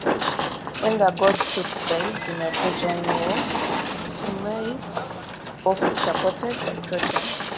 When the gods took sides in the Trojan War, Simoeis supported the Trojans.